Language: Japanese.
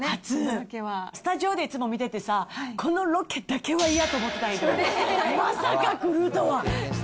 スタジオでいつも見ててさ、このロケだけは嫌と思ってたんやけど、まさか来るとは！